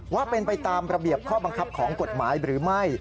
ว่าเป็นไปตามระเบียบข้อบังคับของกฎหมายหรือไม่